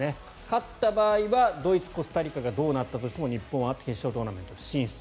勝った場合はドイツ、コスタリカがどうなったとしても日本は決勝トーナメント進出。